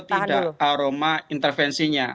ada atau tidak aroma intervensinya